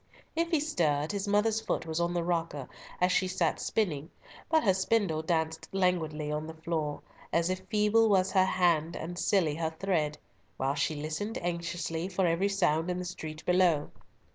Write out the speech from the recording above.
If he stirred, his mother's foot was on the rocker, as she sat spinning, but her spindle danced languidly on the floor, as if "feeble was her hand, and silly her thread;" while she listened anxiously, for every sound in the street below.